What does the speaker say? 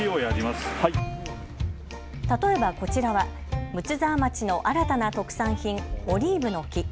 例えばこちらは睦沢町の新たな特産品オリーブの木。